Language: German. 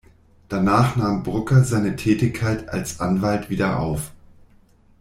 Danach nahm Brucker seine Tätigkeit als Anwalt wieder auf.